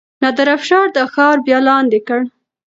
نادر افشار دا ښار بیا لاندې کړ.